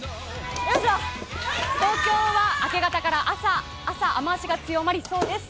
東京は明け方から朝、雨脚が強まりそうです。